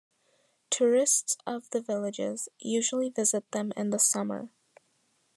Tourists of the villages usually visit them in the summer.